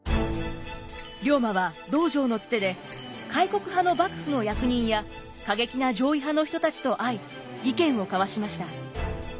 龍馬は道場のツテで開国派の幕府の役人や過激な攘夷派の人たちと会い意見を交わしました。